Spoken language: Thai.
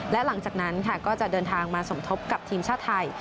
และหลังจากนั้นค่ะก็จะเดินทางมาสมทบกับทีมชาติไทย